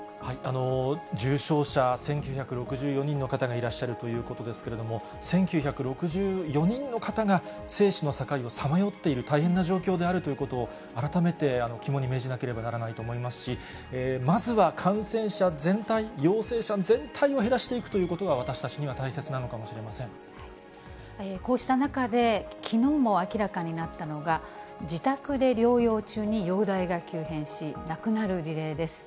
重症者１９６４人の方がいらっしゃるということですけれども、１９６４人の方が生死の境をさまよっている大変な状況であるということを、改めて肝に銘じなければならないと思いますし、まずは感染者全体、陽性者全体を減らしていくということが私たちには大切なのかもしこうした中で、きのうも明らかになったのが、自宅で療養中に容体が急変し、亡くなる事例です。